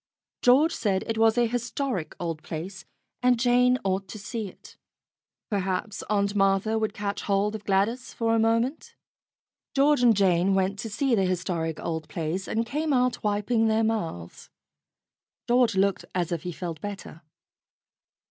George said it was a historic old place, and Jane ought to see it. AUNT MARTHA 147 Perhaps Aunt Martha would catch hold of Gladys for a moment. George and Jane went to see the historic old place, and came out wiping their mouths. George looked as if he felt better.